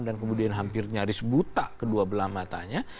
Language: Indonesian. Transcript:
dan kemudian nyaris buta kedua belah matanya